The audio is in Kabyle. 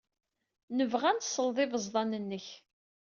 Nebɣa ad nesleḍ ibeẓḍan-nnek.